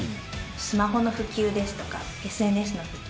スマホの普及ですとかＳＮＳの普及